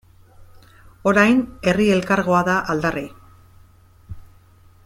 Orain Herri Elkargoa da aldarri.